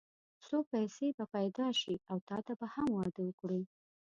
څو پيسې به پيدا شي او تاته به هم واده وکړو.